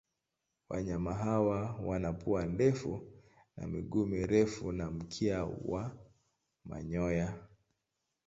Wanyama hawa wana pua ndefu na miguu mirefu na mkia wa manyoya.